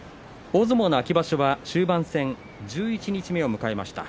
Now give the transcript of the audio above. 大相撲の秋場所は終盤戦十一日目を迎えました。